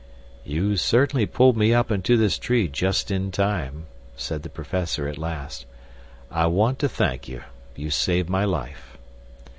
"You certainly pulled me up into this tree just in time," said the professor at last. "I want to thank you. You saved my life."